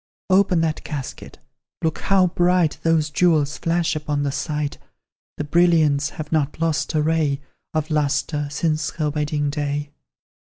Open that casket look how bright Those jewels flash upon the sight; The brilliants have not lost a ray Of lustre, since her wedding day.